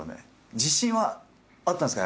自信はあったんですか？